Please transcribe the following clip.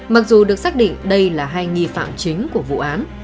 mặc dù được xác định đây là hai nghi phạm chính của vụ án